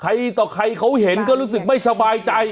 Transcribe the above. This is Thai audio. ต่อใครเขาเห็นก็รู้สึกไม่สบายใจ